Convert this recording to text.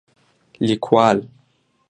لیکوال: